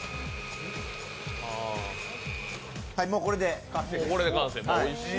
はい、もうこれで完成です。